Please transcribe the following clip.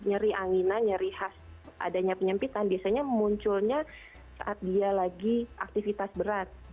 nyeri anginan nyeri khas adanya penyempitan biasanya munculnya saat dia lagi aktivitas berat